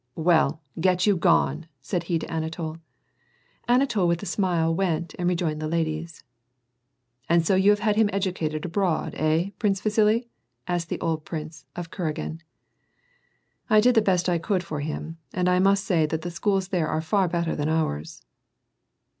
" Well, get you gone," said he to Anatol. Anatol with a smile went and re joined the ladies. " And so you have had him educated abroad, hey, Prince Vasili ?" asked the old prince, of Kuragin. '^ I did the best I could for him, and I must say that the schools there are far better than ours."